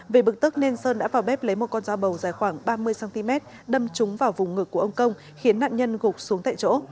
về bực tức nên sơn đã vào bếp lấy một con dao bầu dài khoảng ba mươi cm đâm chúng vào vùng ngực của ông công khiến nạn nhân gục xuống tại chỗ